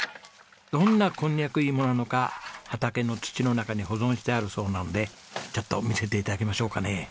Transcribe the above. どんなこんにゃく芋なのか畑の土の中に保存してあるそうなのでちょっと見せて頂きましょうかね。